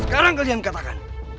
sekarang kalian katakan